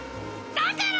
だから？